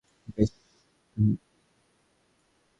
বেশ, তাহলে কী?